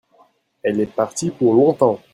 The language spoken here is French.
elle est partie pour longtemps.